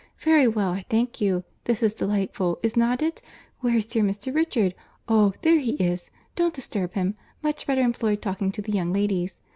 —Very well, I thank you. This is delightful, is not it?—Where's dear Mr. Richard?—Oh! there he is. Don't disturb him. Much better employed talking to the young ladies.